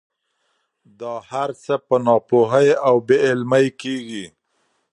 دا هر څه په ناپوهۍ او بې علمۍ کېږي.